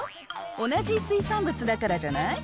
同じ水産物だからじゃない？